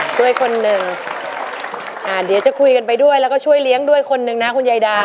ช่วยคนหนึ่งอ่าเดี๋ยวจะคุยกันไปด้วยแล้วก็ช่วยเลี้ยงด้วยคนหนึ่งนะคุณยายดา